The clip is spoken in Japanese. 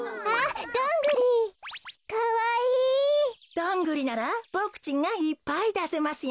ドングリならボクちんがいっぱいだせますよ。